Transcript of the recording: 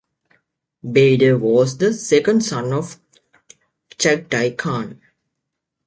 Baidar was the second son of Chagatai Khan.